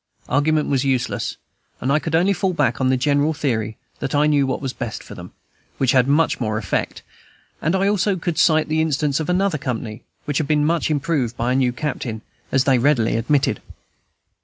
Argument was useless; and I could only fall back on the general theory, that I knew what was best for them, which had much more effect; and I also could cite the instance of another company, which had been much improved by a new captain, as they readily admitted.